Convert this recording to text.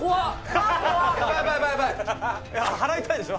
払いたいんでしょ？